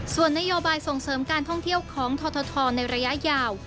ส่วนนโยบายส่งเสริมการท่องเที่ยวของททในระยะยาว